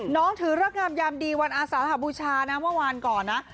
ถือเลิกงามยามดีวันอาสาหบูชานะเมื่อวานก่อนนะ